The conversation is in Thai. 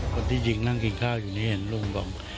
คนที่ยิงนั่งกินข้าวอยู่นี่เห็นลุงบอก